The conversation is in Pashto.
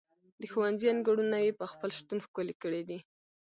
د ښوونځي انګړونه یې په خپل شتون ښکلي کړي دي.